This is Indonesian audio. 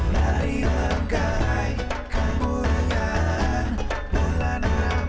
harilah kebaikan kemuliaan bulan ramadhan